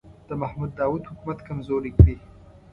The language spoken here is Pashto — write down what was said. د محمد داوود حکومت کمزوری کړي.